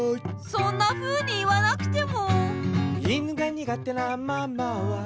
そんなふうに言わなくても。